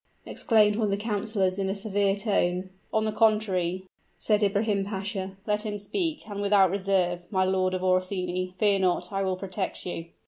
exclaimed one of the councilors in a severe tone. "On the contrary," said Ibrahim Pasha, "let him speak, and without reserve. My Lord of Orsini, fear not I will protect you."